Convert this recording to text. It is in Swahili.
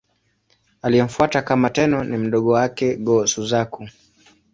Aliyemfuata kama Tenno ni mdogo wake, Go-Suzaku.